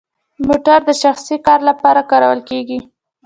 موټر د شخصي کار لپاره کارول کیږي؟